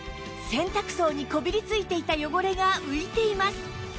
洗濯槽にこびり付いていた汚れが浮いています